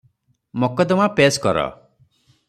ମକଦ୍ଦମା ପେଶ୍ କର ।